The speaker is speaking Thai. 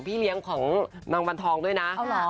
พี่เลี้ยงของนางวันทองด้วยนะ